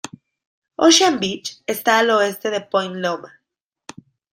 Ocean Beach está al oeste de Point Loma.